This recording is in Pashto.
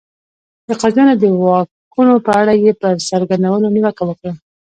د قاضیانو د واکونو په اړه یې پر څرګندونو نیوکه وکړه.